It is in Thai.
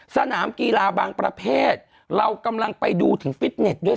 สนามกีฬาบางประเภทเรากำลังไปดูถึงฟิตเน็ตด้วย